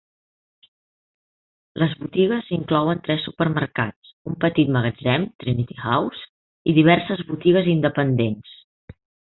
Les botigues inclouen tres supermercats, un petit magatzem, Trinity House, i diverses botigues independents.